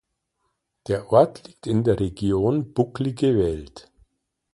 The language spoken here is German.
Der Ort liegt in der Region Bucklige Welt.